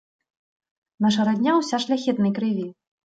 Наша радня ўся шляхетнай крыві.